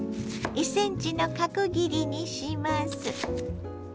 １ｃｍの角切りにします。